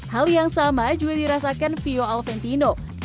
hal yang sama juga dirasakan vio alventino